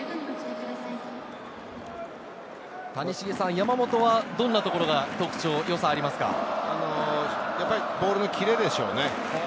谷繁さん、山本はどんなところがやっぱりボールのキレでしょうね。